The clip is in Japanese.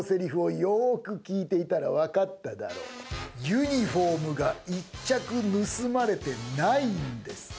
ユニフォームが１着盗まれてないんです。